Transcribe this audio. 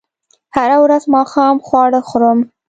هره ورځ ماښام خواړه خورم